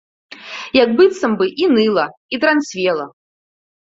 Як быццам бы і ныла, і дранцвела.